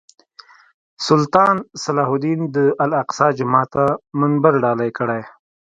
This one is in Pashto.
سلطان صلاح الدین د الاقصی جومات ته منبر ډالۍ کړی.